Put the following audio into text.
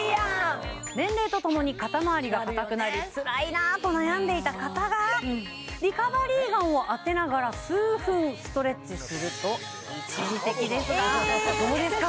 年齢とともに肩まわりがかたくなりつらいなと悩んでいた方がリカバリーガンを当てながら数分ストレッチすると一時的ですがどうですか？